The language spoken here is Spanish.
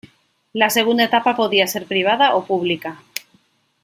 La segunda etapa podía ser privada o pública.